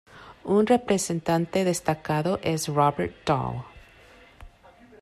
Un representante destacado es Robert Dahl.